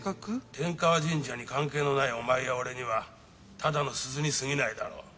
天河神社に関係のないお前や俺にはただの鈴にすぎないだろう。